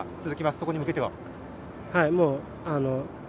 そこに向けては？